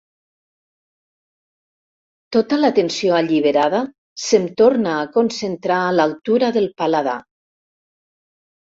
Tota la tensió alliberada se'm torna a concentrar a l'altura del paladar.